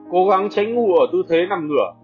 cố gắng tránh ngủ ở tư thế nằm ngửa